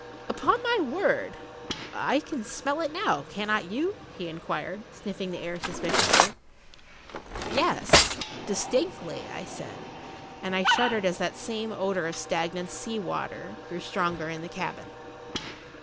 Upon my word—I can smell it now, cannot you?" he inquired, sniffing the air suspiciously. "Yes—distinctly," I said, and I shuddered as that same odour of stagnant sea water grew stronger in the cabin.